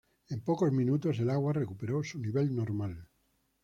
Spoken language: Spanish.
En pocos minutos el agua recuperó su nivel normal.